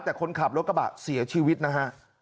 แต่คนขับรถกระบะเสียชีวิตนะฮะ